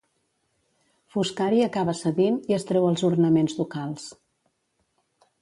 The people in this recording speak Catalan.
Foscari acaba cedint i es treu els ornaments ducals.